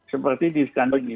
seperti di skandinavia